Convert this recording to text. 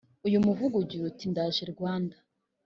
uyu muvugo ugira uti ndaje Rwanda